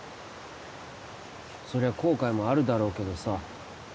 そりゃ後悔もあるだろうけどさ